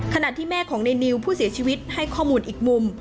ขณะที่แม่ของในนิวผู้เสียชีวิตให้ข้อมูลอีกมุม